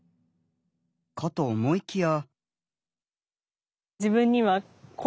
かと思いきや。